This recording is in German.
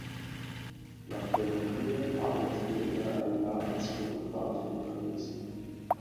Nach der Matur arbeitete er ein Jahr als Fotograf in Paris.